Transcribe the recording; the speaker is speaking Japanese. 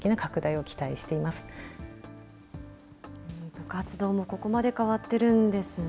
部活動もここまで変わってるんですね。